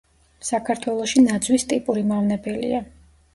საქართველოში ნაძვის ტიპური მავნებელია.